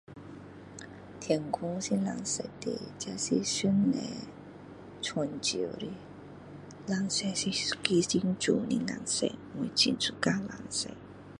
天空是蓝色的这是上帝成就的蓝色是一个很漂亮的颜色我很喜欢蓝色